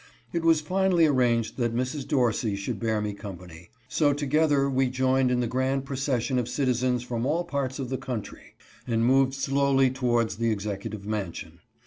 It was finally arranged that Mrs. Dorsey should bear me company, so together we joined in the 444 THE AUTHOR AND MRS. DORSEY ATTEND. grand procession of citizens from all parts of the country, and moved slowly towards the executive mansion.